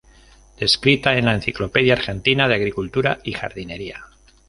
Descrita en la "Enciclopedia Argentina de Agricultura y Jardinería".